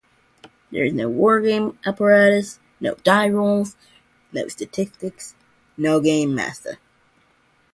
There is no wargame apparatus, no die rolls, no statistics, no gamemaster.